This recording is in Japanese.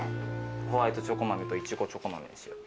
ホワイトチョコ豆といちごチョコ豆にしよう。